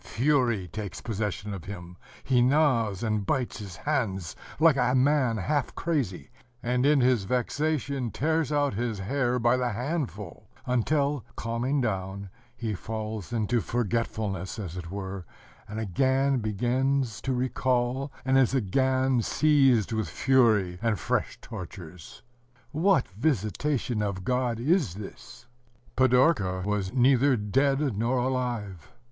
Fury takes possession of him: he gnaws and bites his hands like a man half crazy, and in his vexation tears out his hair by the handful, until, calming down, he falls into forgetfulness, as it were, and again begins to recall, and is again seized with fury and fresh tortures. ... What visitation of God is this? Pidorka was neither dead nor alive.